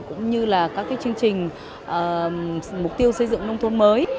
cũng như là các chương trình mục tiêu xây dựng nông thôn mới